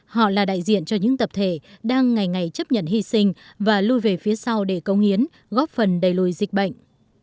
họ là đại diện cho những tập thể đang ngày ngày chấp nhận hy sinh và lui về phía sau để công hiến góp phần đẩy lùi dịch bệnh